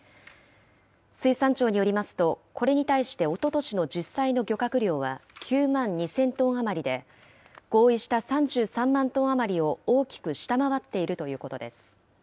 水産庁によりますと、これに対しておととしの実際の漁獲量は９万２０００トン余りで、合意した３３万トン余りを大きく下回っているということです。